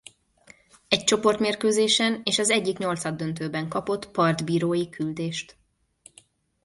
Egy csoportmérkőzésen és az egyik nyolcaddöntőben kapott partbírói küldést.